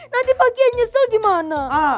nanti pak kiai nyesel gimana